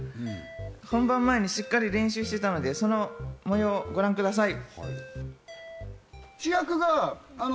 本番前にしっかり練習していたのでその模様をご覧ください。